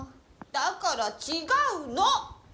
だからちがうの！